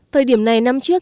thời điểm này năm trước